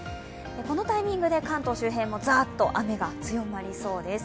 このタイミングで関東周辺もザッと雨が強まりそうです。